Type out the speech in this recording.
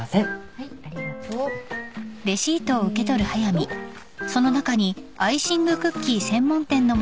はいありがとう。えっと。